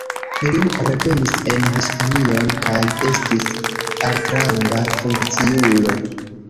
Li revenis en Hispanion kaj estis altranga funkciulo.